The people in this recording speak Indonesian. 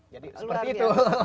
jadi seperti itu